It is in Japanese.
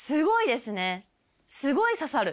すごい刺さる。